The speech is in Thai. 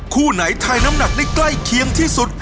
คู่ไหนทายน้ำหนักได้ใกล้เคียงที่สุด